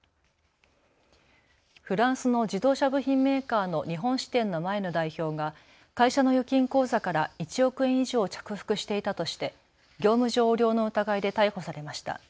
フランスの自動車部品メーカーの日本支店の前の代表が会社の預金口座から１億円以上を着服していたとして業務上横領の疑いで逮捕されました。